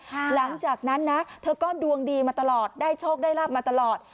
หลังจากนั้นนะเธอก็ดวงดีมาตลอดได้โชคได้ลาบมาตลอด